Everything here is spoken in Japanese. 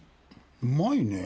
うまいねぇ。